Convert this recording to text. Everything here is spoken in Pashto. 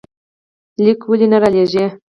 ليک ولې نه رالېږې؟